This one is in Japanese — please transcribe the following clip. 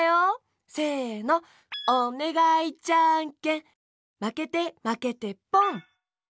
せの「おねがいじゃんけん」まけてまけてポン！